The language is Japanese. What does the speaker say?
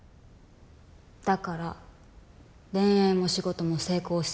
だから恋愛も仕事も成功してみせる。